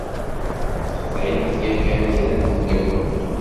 Texdeɛ-ik yakan kra n temdakelt?